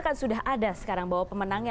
kan sudah ada sekarang bahwa pemenangnya